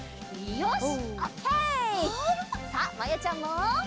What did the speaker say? よし！